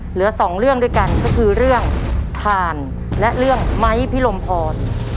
เหลือสองเรื่องด้วยกันก็คือเรื่องทานและเรื่องไม้พิรมพร